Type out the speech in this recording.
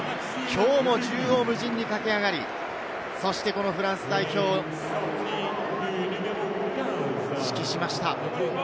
きょうも縦横無尽に駆け上がり、そしてこのフランス代表を指揮しました。